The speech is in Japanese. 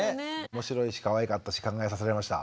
面白いしかわいかったし考えさせられました。